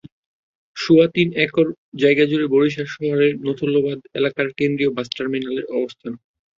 সোয়া তিন একর জায়গাজুড়ে বরিশাল শহরের নথুল্লাবাদ এলাকায় কেন্দ্রীয় বাস টার্মিনালের অবস্থান।